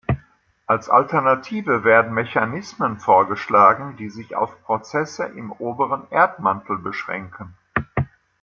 Als Alternative werden Mechanismen vorgeschlagen, die sich auf Prozesse im oberen Erdmantel beschränken.